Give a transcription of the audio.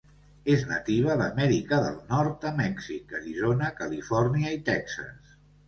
És nativa d'Amèrica del Nord a Mèxic, Arizona, Califòrnia i Texas.